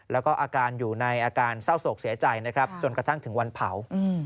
แล้วก็อาการอยู่ในอาการเศร้าโศกเสียใจนะครับจนกระทั่งถึงวันเผา